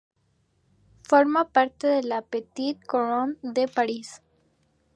Forma parte de la "Petite Couronne" de París.